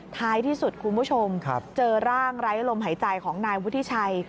ท้ายที่สุดคุณผู้ชมเจอร่างไร้ลมหายใจของนายวุฒิชัย